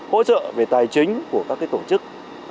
hỗ trợ về tài chính của các tổ chức